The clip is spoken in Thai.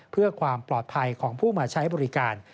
เพื่อความปลอดภัยของผู้มาใช้บริการ